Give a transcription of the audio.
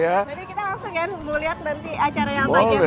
iya mungkin kan mau lihat nanti acara yang lain